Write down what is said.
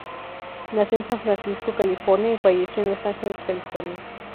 Nació en San Francisco, California, y falleció en Los Ángeles, California.